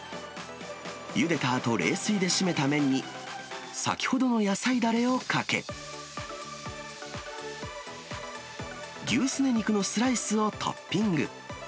ゆでたあと、冷水で締めた麺に、先ほどの野菜だれをかけ、牛すね肉のスライスをトッピング。